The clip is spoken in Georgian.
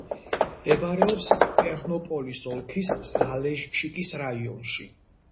მდებარეობს ტერნოპოლის ოლქის ზალეშჩიკის რაიონში.